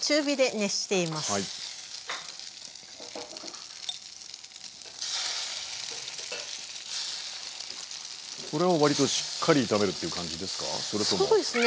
これは割としっかり炒めるっていう感じですか？